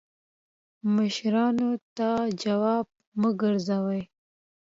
مشرانو ته جواب مه ګرځوه